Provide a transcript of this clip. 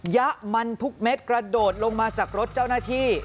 ยะมันทุกเม็ดกระโดดลงมาจากรถเจ้าหน้าที่